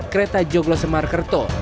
kereta joglosemar kerto